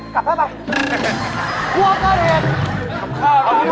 กลับข้าวข้าวดีดี